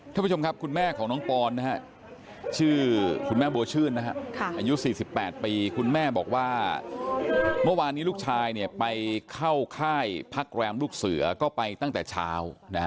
ท่านผู้ชมครับคุณแม่ของน้องปอนชื่อคุณแม่บัวชื่นอายุ๔๘ปีคุณแม่บอกว่าเมื่อวานนี้ลูกชายไปเข้าค่ายพักแรมลูกเสือก็ไปตั้งแต่เช้า